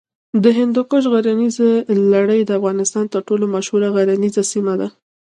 د هندوکش غرنیزه لړۍ د افغانستان تر ټولو مشهوره غرنیزه سیمه ده.